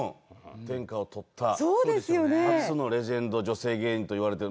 天下を取った初のレジェンド女性芸人と言われている。